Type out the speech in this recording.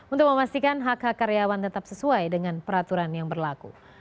untuk memastikan hak hak karyawan tetap sesuai dengan peraturan yang berlaku